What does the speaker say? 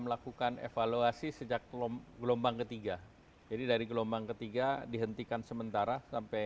melakukan evaluasi sejak gelombang ketiga jadi dari gelombang ketiga dihentikan sementara sampai